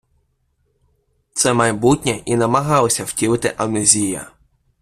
Це майбутнє і намагалися втілити «АмнезіЯ».